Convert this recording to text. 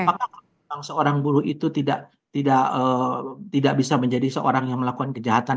apakah kalau memang seorang buruh itu tidak bisa menjadi seorang yang melakukan kejahatan